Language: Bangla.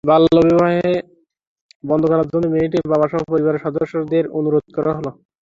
বাল্যবিয়ে বন্ধ করার জন্য মেয়েটির বাবাসহ পরিবারের সদস্যদের অনুরোধ করা হয়।